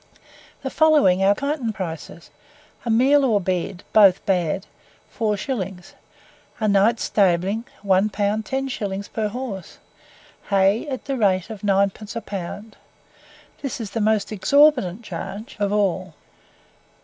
The following are the Kyneton prices. A meal or bed both bad 4s; a night's stabling, one pound ten shillings per horse; hay at the rate of 9d. a pound; this is the most exorbitant charge of all.